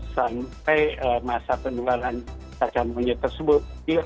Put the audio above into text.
sampai masa pendularan cacar monyet tersebut